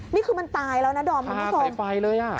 นี่คือมันตายแล้วนะดอมมันที่สองทาไฟเลยอะ